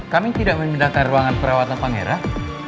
kami tidak memindahkan ruangan perawatan pangeran